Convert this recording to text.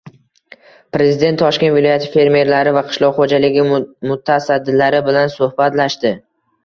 Prezident Toshkent viloyati fermerlari va qishloq xoʻjaligi mutasaddilari bilan suhbatlashdi.